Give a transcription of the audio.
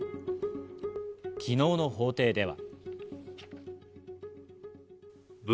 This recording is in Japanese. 昨日の法廷では。